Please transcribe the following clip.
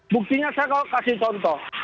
buktinya saya kasih contoh